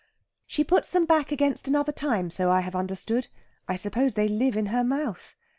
"She puts them back against another time, so I have understood. I suppose they live in her mouth.